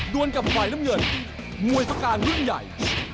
โดนกับไฟล้ำเงินมวยสการรุ่นใหญ่